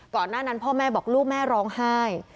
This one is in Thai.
หน้านั้นพ่อแม่บอกลูกแม่ร้องไห้